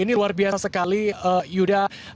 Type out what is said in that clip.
ini luar biasa sekali yuda